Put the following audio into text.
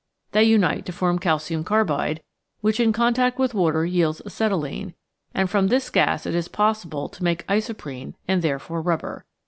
They unite to form calcium car bide, which in contact with water yields acetylene, and from this gas it is possible to make isoprene and therefore rubber.